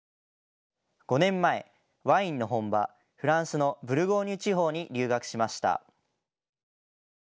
５年前、ワインの本場、フランスのブルゴーニュ地方に留学しました。